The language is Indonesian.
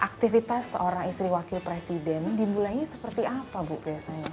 aktivitas seorang istri wakil presiden dimulainya seperti apa bu biasanya